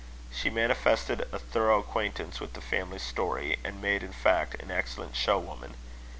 She manifested a thorough acquaintance with the family story, and made, in fact, an excellent show woman.